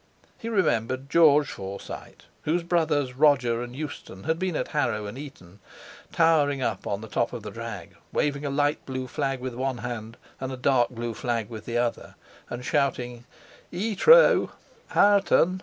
He remembered George Forsyte—whose brothers Roger and Eustace had been at Harrow and Eton—towering up on the top of the drag waving a light blue flag with one hand and a dark blue flag with the other, and shouting "Etroow Harrton!"